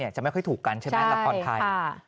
จะไม่ค่อยถูกกันใช่ไหมละครไทย